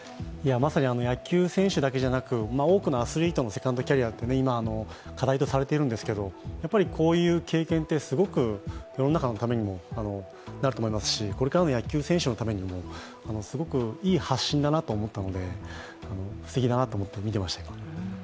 まさに野球選手だけじゃなく、多くのアスリートもセカンドキャリアは今、課題とされているんですけれども、こういう経験ってすごく世の中のためにもなると思いますしこれからの野球選手のためにも、すごくいい発信だなと思ってすてきだなと思って見ていました。